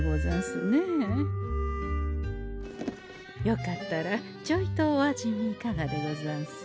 よかったらちょいとお味見いかがでござんす？